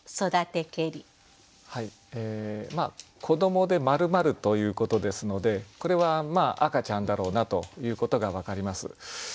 子どもで「丸々」ということですのでこれは赤ちゃんだろうなということが分かります。